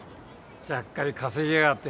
ちゃっかり稼ぎやがって。